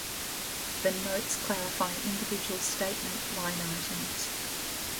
The notes clarify individual statement line-items.